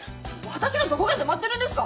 私のどごがなまってるんですか